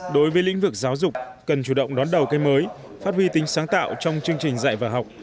đối với lĩnh vực giáo dục cần chủ động đón đầu cây mới phát huy tính sáng tạo trong chương trình dạy và học